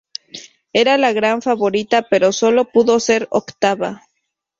Era la gran favorita pero sólo pudo ser octava.